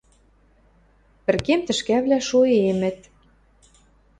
Пӹркем тӹшкӓвлӓ шоээмӹт.